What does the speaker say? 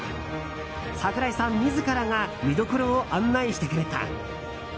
櫻井さん自らが見どころを案内してくれた。